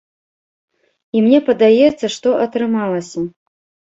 І мне падаецца, што атрымалася.